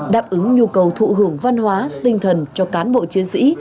đáp ứng nhu cầu thụ hưởng văn hóa tinh thần cho cán bộ chiến sĩ